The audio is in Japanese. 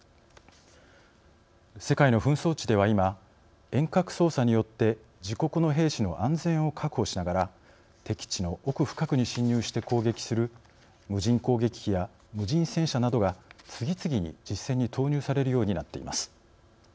世界の紛争地では今遠隔操作によって自国の兵士の安全を確保しながら敵地の奥深くに侵入して攻撃する無人攻撃機や無人戦車などが次々に実戦に投入されるようになっています。